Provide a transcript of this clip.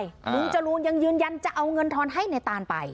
ลุงจรูนยังยืนยันจะเอาเงินทอนให้ในตานไป